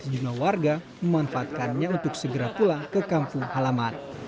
sejumlah warga memanfaatkannya untuk segera pulang ke kampung halaman